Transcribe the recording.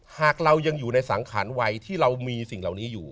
หากเรายังอยู่ในสังขารวัยที่เรามีสิ่งเหล่านี้อยู่